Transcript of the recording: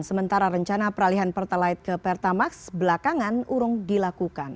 sementara rencana peralihan pertalite ke pertamax belakangan urung dilakukan